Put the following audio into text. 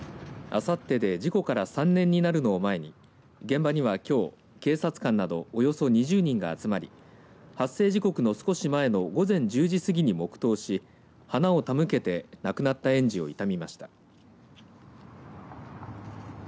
あさってで事故から３年になるのを前に現場には、きょう警察官などおよそ２０人が集まり発生時刻の少し前の午前１０時過ぎに黙とうし花を手向けて亡くなった園児を悼みました。